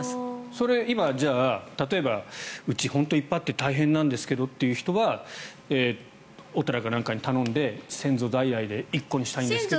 それ今、じゃあ例えばうち、いっぱいあって大変なんですけどという人はお寺かなんかに頼んで先祖代々に１個にしたいんですけどと。